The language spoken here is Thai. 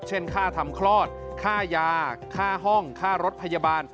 ค่าทำคลอดค่ายาค่าห้องค่ารถพยาบาล